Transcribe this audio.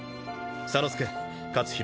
左之助克浩